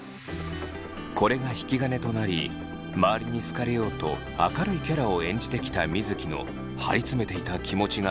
これが引き金となり周りに好かれようと明るいキャラを演じてきた水城の張り詰めていた気持ちが切れたのです。